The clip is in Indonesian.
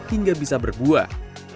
hingga bisa berbuah